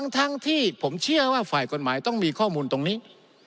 ทั้งที่ผมเชื่อว่าฝ่ายกฎหมายต้องมีข้อมูลตรงนี้